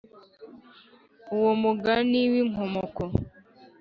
Uwo mugani w inkomoko